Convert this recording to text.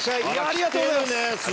ありがとうございます。